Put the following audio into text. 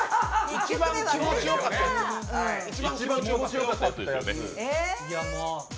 一番気持ちよかったやつですよね。